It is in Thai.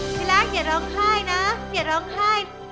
พี่เล็กอย่าลองไห้นะอย่าลองไห้